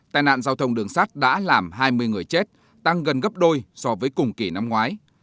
tai nạn giao thông đường sắt đã làm hai mươi người chết tăng gần gấp đôi so với cùng kỳ năm ngoái